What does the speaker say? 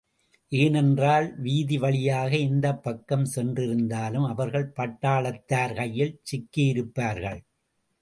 ஏனென்றால், வீதி வழியாக எந்தப் பக்கம் சென்றிருந்தாலும், அவர்கள் பட்டாளத்தார் கையில் சிக்கியிருப்பார்கள்.